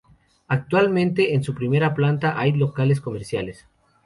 Actualmente, en su primera planta, hay locales comerciales.